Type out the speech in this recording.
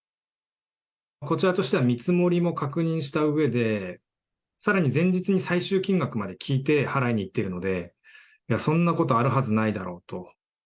こちらとしては見積もりも確認したうえで、さらに前日に最終金額まで聞いて払いに行ってるので、そんなことあるはずないだろうと。